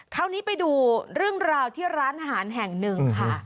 คราวนี้ไปดูเรื่องราวที่ร้านอาหารแห่งหนึ่งค่ะ